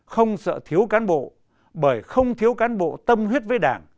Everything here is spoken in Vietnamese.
không sợ thiếu cán bộ bởi không thiếu cán bộ tâm huyết với đảng